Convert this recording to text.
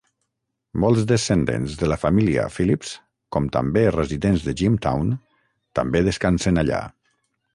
Molts descendents de la família Phillips, com també residents de Jimtown, també descansen allà.